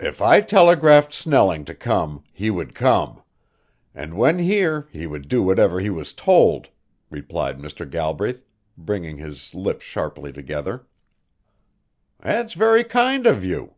"If I telegraphed Snelling to come he would come; and when here he would do whatever he was told," replied Mr. Galbraith, bringing his lips sharply together. "It's very kind of you!"